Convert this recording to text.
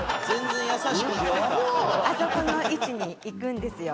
あそこの位置に行くんですよ。